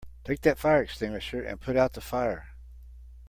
Take that fire extinguisher and put out the fire!